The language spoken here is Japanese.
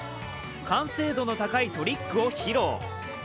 完成度の高いトリックを披露。